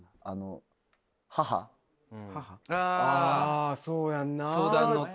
あそうやんな。